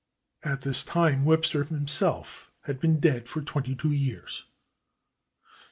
At this time Webster himself had been dead for twenty two years.